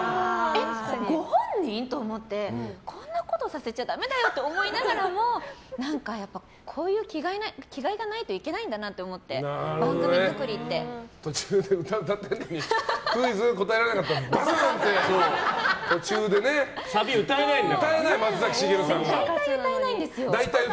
ご本人？と思ってこんなことさせちゃダメだよって思いながらもやっぱ、こういう気概がないといけないんだなって思って途中で歌、歌ってるのにクイズに答えられなかったらばつんって。サビ、歌えないんだから。大体歌えないんですよ。